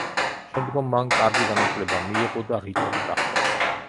შემდგომ მან კარგი განათლება მიიღო და რიტორი გახდა.